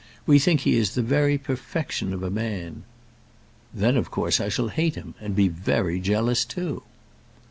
We think he is the very perfection of a man." "Then of course I shall hate him; and be very jealous, too!"